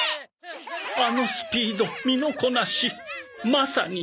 あのスピード身のこなしまさに！